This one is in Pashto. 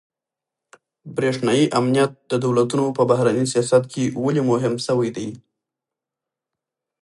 برېښنايي امنيت د دولتونو په بهرني سياست کي ولي مهم سوی دی؟